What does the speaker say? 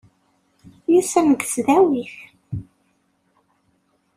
Myussanen deg tesdawit.